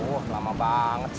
aduh lama banget sih